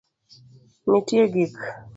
Nitie gik